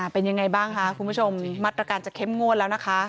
เป็นยังไงบ้างคะคุณผู้ชมมาตรการจะเข้มงวดแล้วนะคะ